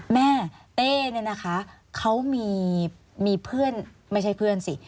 แม่เต้เนี่ยนะคะเขามีเพื่อนไม่ใช่เพื่อนสิ